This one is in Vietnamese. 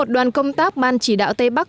đoàn công tác ban chỉ đạo tây bắc